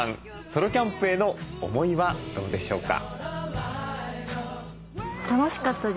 ソロキャンプへの思いはどうでしょうか。